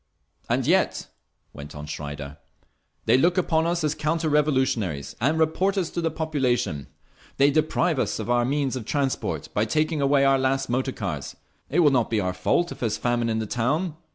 "And yet," went on Schreider, "they look upon us as counter revolutionaries and report us to the population. They deprive us of our means of transport by taking away our last motor cars. It will not be our fault if there is famine in the town.